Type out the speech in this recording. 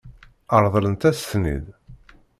Ṛeḍlent-as-ten-id?